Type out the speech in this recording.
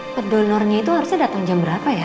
pedonornya itu harusnya datang jam berapa ya